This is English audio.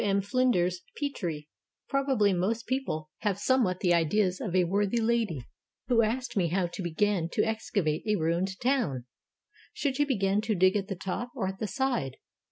M. FLINDERS PETRIE Probably most people have somewhat the ideas of a worthy lady who asked me how to begin to excavate a ruined town — should she begin to dig at the top or at the side?